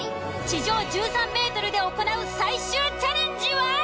地上１３ｍで行う最終チャレンジは？